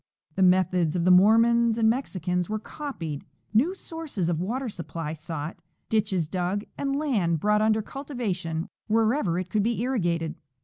The methods of the Mormons and Mex icans were copied, new sources of water supply sought, ditches dug, and land brought under cultivation wherever it could be irrigated.